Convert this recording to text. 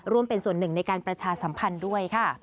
ร่วมเป็นส่วนหนึ่งในการประชาสัมพันธ์ด้วยค่ะ